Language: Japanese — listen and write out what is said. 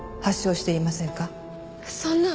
そんな。